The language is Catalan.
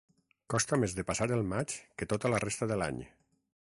Costa més de passar el maig que tota la resta de l'any.